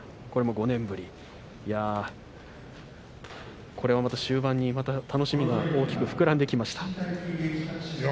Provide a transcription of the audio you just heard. これも５年ぶり、終盤また楽しみが大きく膨らんできました。